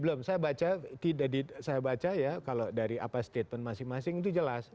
belum belum saya baca ya kalau dari apa statement masing masing itu jelas